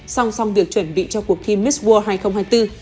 song song việc chuẩn bị cho cuộc thi miss world hai nghìn hai mươi bốn